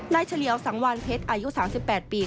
เฉลียวสังวานเพชรอายุ๓๘ปี